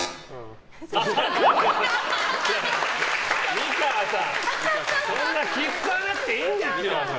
美川さん、△、そんなに気を遣わなくていいんですよ。